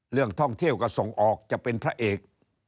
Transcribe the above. เรื่องท่องเที่ยวก็ส่งออกจะเป็นพระเอก